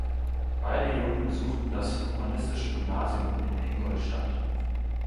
Beide Jungen besuchten das Humanistische Gymnasium in Ingolstadt.